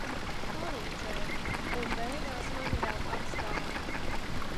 Palīdzēja un beigās mani vēl apskāva.